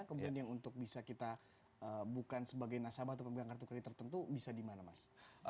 kemudian yang untuk bisa kita bukan sebagai nasabah atau pemegang kartu kredit tertentu bisa dimana mas